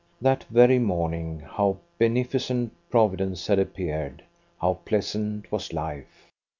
That very morning how beneficent Providence had appeared, how pleasant was life!